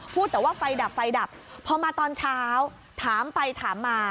พูดแต่ว่าไฟดับไฟดับพอมาตอนเช้าถามไปถามมา